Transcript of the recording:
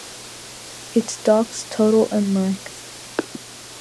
Its docks total in length.